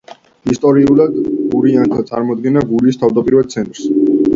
ისტორიულად გურიანთა წარმოადგენდა გურიის თავდაპირველ ცენტრს.